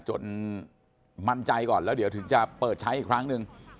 มั่นใจก่อนแล้วเดี๋ยวถึงจะเปิดใช้อีกครั้งหนึ่ง